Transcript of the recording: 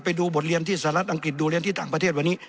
ไปดูบทเรียนที่สหรัฐอังกฤษดูเรียนที่ต่างประเทศวันนี้